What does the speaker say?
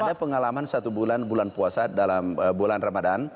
ada pengalaman satu bulan bulan puasa dalam bulan ramadan